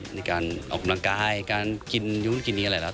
ในการออกกำลังกายการกินนู่นกินนี้อะไรแล้ว